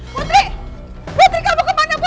putih putih bantuin ibu